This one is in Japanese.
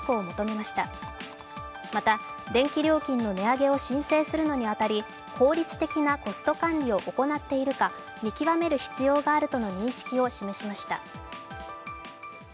また、電気料金の値上げを申請するにあたり、効率的なコスト管理を行っているか見極める必要があるとの認識を示しました。